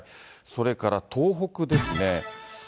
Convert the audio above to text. それから東北ですね。